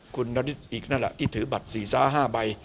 คุณนฤทธิ์อีกนั่นล่ะที่ถือบัตร๔๕ใบ